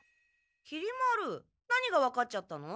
きり丸何がわかっちゃったの？